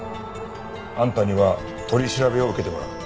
あんたには取り調べを受けてもらう。